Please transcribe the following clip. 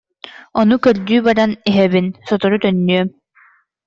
Ону көрдүү баран иһэбин, сотору төннүөм